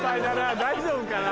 大丈夫かな。